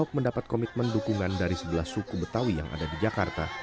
ahok mendapat komitmen dukungan dari sebelas suku betawi yang ada di jakarta